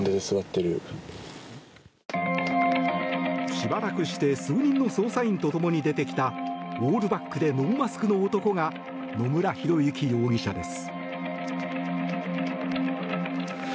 しばらくして数人の捜査員と共に出てきたオールバックでノーマスクの男が野村広之容疑者です。